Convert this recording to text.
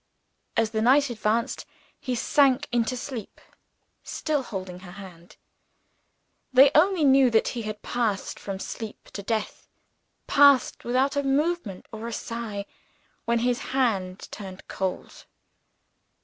As the night advanced, he sank into sleep, still holding her hand. They only knew that he had passed from sleep to death passed without a movement or a sigh when his hand turned cold.